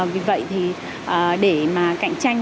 vì vậy thì để mà cạnh tranh